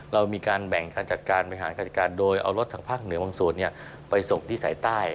เรามีการแบ่งการจัดการบริหารการจัดการโดยเอารถทางภาคเหนือบางส่วนไปส่งที่สายใต้